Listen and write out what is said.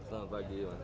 selamat pagi mas